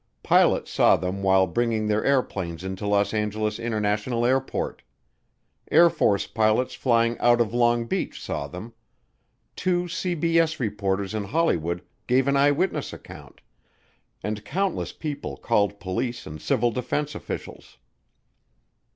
Pilots saw them while bringing their airplanes into Los Angeles International Airport, Air Force pilots flying out of Long Beach saw them, two CBS reporters in Hollywood gave an eyewitness account, and countless people called police and civil defense officials.